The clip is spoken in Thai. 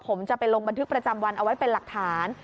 ผมจะไปลงบันทึกประจำวันเอาไว้เป็นหลักฐาน